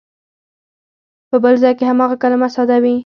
په بل ځای کې هماغه کلمه ساده وي.